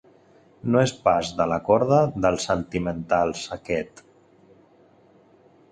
No és pas de la corda dels sentimentals, aquest.